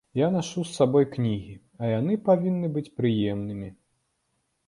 Я нашу з сабой кнігі, а яны павінны быць прыемнымі.